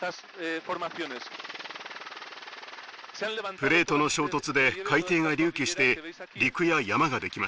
プレートの衝突で海底が隆起して陸や山ができました。